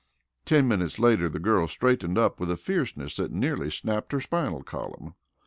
Ten minutes later the girl straightened up with a fierceness that nearly snapped her spinal column.